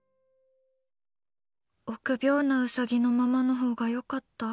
臆病なウサギのままのほうが良かった？